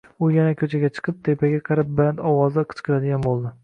U yana ko`chaga chiqib, tepaga qarab baland ovozda qichqiradigan bo`ldi